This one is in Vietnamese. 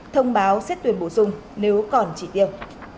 thông báo xét tuyển bổ sung nếu còn chỉ tiêu